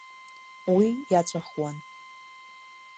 Уи иаҵәахуан.